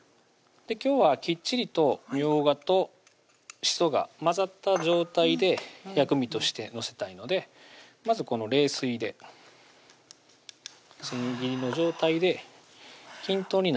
今日はきっちりとみょうがとしそが混ざった状態で薬味として載せたいのでまずこの冷水で千切りの状態で均等になるように混ぜてください